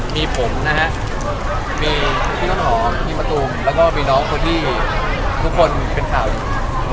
มีผมนะฮะมีพี่ต้นหอมพี่มะตูมแล้วก็มีน้องคนที่ทุกคนเป็นข่าวอยู่